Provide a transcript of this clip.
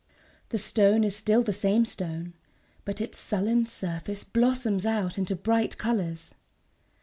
The stone is still the same stone ; but its sullen surface blossoms out into bright colours.